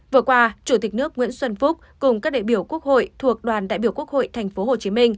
vừa qua chủ tịch nước nguyễn xuân phúc cùng các đại biểu quốc hội thuộc đoàn đại biểu quốc hội tp hcm